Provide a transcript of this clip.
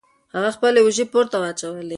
هغه خپلې اوژې پورته واچولې.